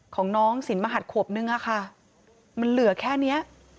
ของน้องสินมหัสขวบนึงอะค่ะมันเหลือแค่เนี้ย